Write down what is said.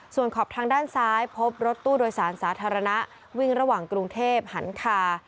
ส่วนขอบทางด้านซ้ายพบรถตู้โดยสารสาธารณะวิ่งระหว่างกรุงเทพหันคา